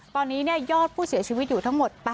ตอนนี้ยอดผู้เสียชีวิตอยู่ทั้งหมด